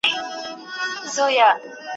په هر قالب کي څه برابر یې